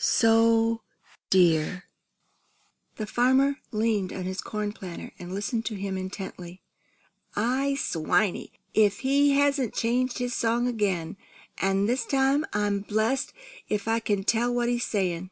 So dear!" The farmer leaned on his corn planter and listened to him intently. "I swanny! If he hasn't changed his song again, an' this time I'm blest if I can tell what he's saying!"